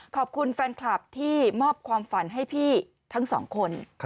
ขอบคุณแฟนคลับที่มอบความฝันให้พี่ทั้งสองคน